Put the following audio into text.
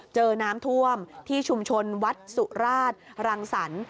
เจอน้ำท่วมที่ชุมชนวัดสุราชรังสรรค์